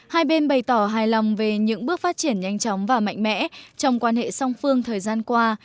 hai bên bày tỏ hài lòng về những bước phát triển nhanh chóng và mạnh mẽ trong quan hệ song phương thời gian qua